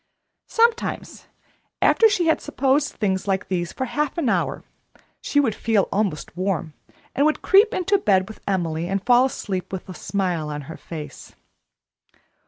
Sometimes, after she had supposed things like these for half an hour, she would feel almost warm, and would creep into bed with Emily and fall asleep with a smile on her face.